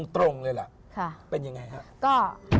ตรงเลยล่ะค่ะเป็นยังไงฮะก็